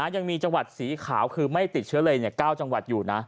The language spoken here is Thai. ยังมีจังหวัดสีขาวคือไม่ติดเชื้อเลย๙จังหวัดอยู่นะ